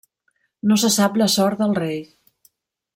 No se sap la sort del rei.